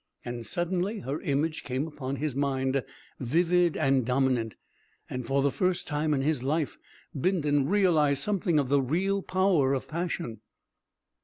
And suddenly her image came upon his mind vivid and dominant, and for the first time in his life Bindon realised something of the real power of passion.